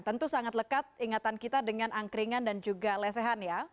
tentu sangat lekat ingatan kita dengan angkringan dan juga lesehan ya